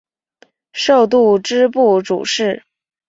授度支部主事。